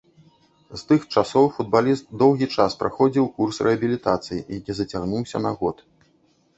З тых часоў футбаліст доўгі час праходзіў курс рэабілітацыі, які зацягнуўся на год.